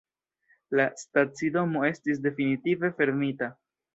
La stacidomo estis definitive fermita.